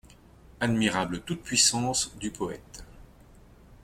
Admirable toute-puissance du poète !